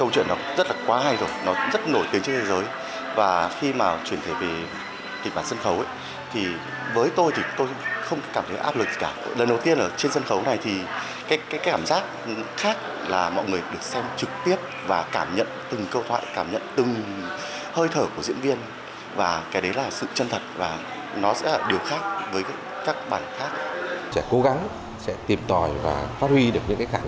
sẽ tìm tòi và phát huy được những khả năng mà mình trong cơ mối quan hệ